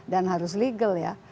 dan harus legal ya